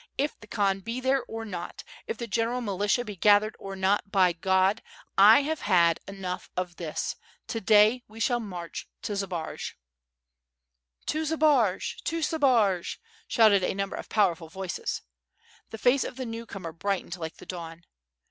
if the Khan be there or not, if the general militia be gathered or not, by God! I have had enough of this; to day we shall march to Zbaraj." "To Zbaraj, to Zbaraj!" shouted a number of powerful voices. The face of the newcomer brightened like the dawn.